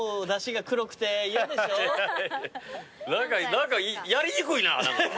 何かやりにくいな。